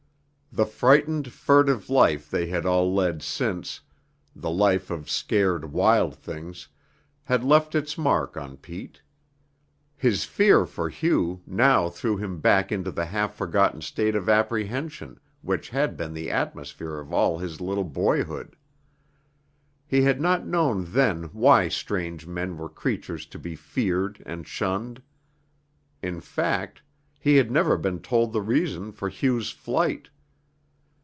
The frightened, furtive life they had all led since the life of scared wild things had left its mark on Pete. His fear for Hugh now threw him back into the half forgotten state of apprehension which had been the atmosphere of all his little boyhood. He had not known then why strange men were creatures to be feared and shunned. In fact, he had never been told the reason for Hugh's flight.